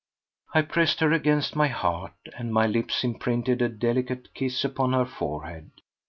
I pressed her against my heart, and my lips imprinted a delicate kiss upon her forehead.